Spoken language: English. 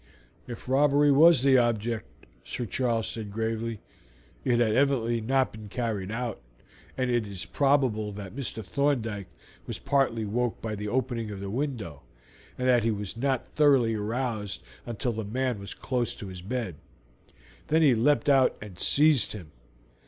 "If robbery was the object," Sir Charles said gravely, "it has evidently not been carried out, and it is probable that Mr. Thorndyke was partly woke by the opening of the window, and that he was not thoroughly aroused until the man was close to his bed; then he leapt out and seized him.